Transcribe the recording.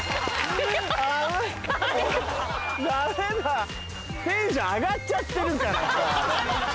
ダメだテンション上がっちゃってるからさ。